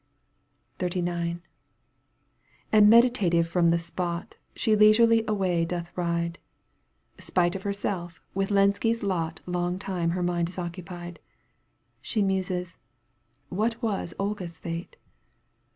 XXXIX. And meditative from the spot She leisurely away doth ride, Spite of herseK with Lenski's lot Longtime her mind is occupied. She muses :" What was Olga's fate